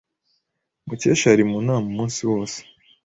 Mukesha yari mu nama umunsi wose.